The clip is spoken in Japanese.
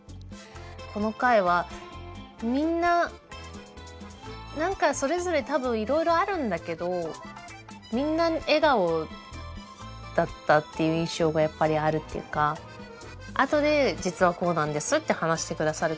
この回はみんな何かそれぞれ多分いろいろあるんだけどみんな笑顔だったっていう印象がやっぱりあるっていうか後で実はこうなんですって話して下さるけど。